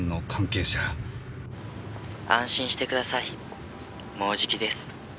「安心してください。もうじきです」